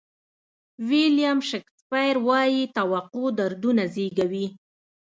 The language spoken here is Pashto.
ویلیام شکسپیر وایي توقع دردونه زیږوي.